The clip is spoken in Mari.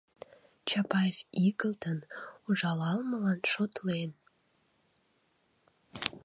— Чапаев игылтын, ужалалмылан шотлен...